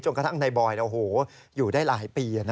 จนกระทั่งนายบอยโอ้โฮอยู่ได้หลายปี